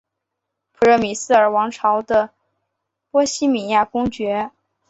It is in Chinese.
普热米斯尔王朝的波希米亚公爵。